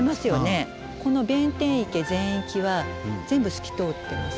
この弁天池全域は全部透き通ってます。